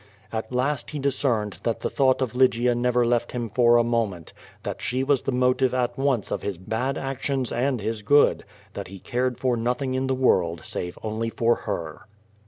At last he discerned that the thought of Lygia never left him for a moment, that she was the motive at once of his ])ad actions and his good, that he cared for nothing in the world save only for her.